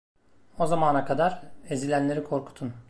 O zamana kadar ezilenleri korkutun.